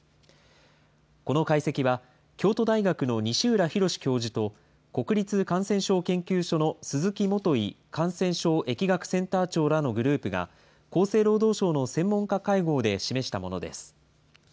この解析は、京都大学の西浦博教授と国立感染症研究所の鈴木基感染症疫学センター長らのグループが、厚生労働省の専門家会合で示したものです。